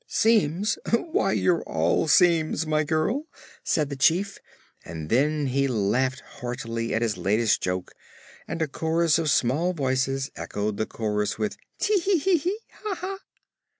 "Seems? Why, you're all seams, my girl!" said the Chief; and then he laughed heartily at his latest joke and a chorus of small voices echoed the chorus with "tee hee hee! ha, ha!"